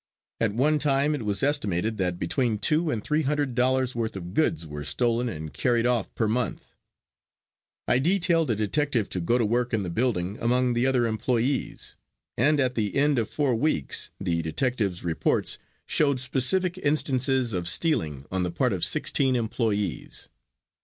At one time it was estimated that between two and three hundred dollars worth of goods were stolen and carried off per month. I detailed a detective to go to work in the building among the other employees, and at the end of four weeks the detective's reports showed specific instances of stealing on the part of sixteen employees.